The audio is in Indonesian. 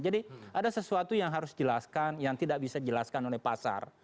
jadi ada sesuatu yang harus dijelaskan yang tidak bisa dijelaskan oleh pasar